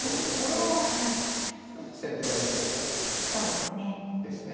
これは先手大成功ですね。